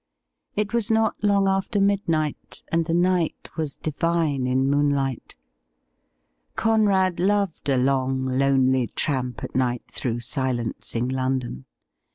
It was not long after midnight, and the night was divine in moonlight. Conrad loved a long, lonely tramp at night through silencing London.